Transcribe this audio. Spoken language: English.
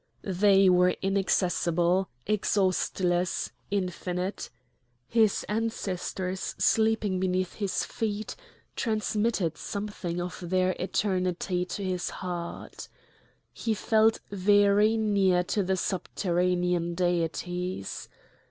They were inaccessible, exhaustless, infinite. His ancestors sleeping beneath his feet transmitted something of their eternity to his heart. He felt very near to the subterranean deities.